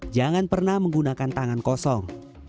jangan pernah menggunakan tangan kosong